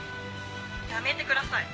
「やめてください」